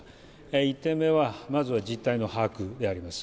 １点目はまずは実態の把握であります。